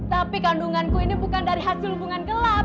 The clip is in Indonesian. tapi kandunganku ini bukan dari hasil hubungan yang saya lakukan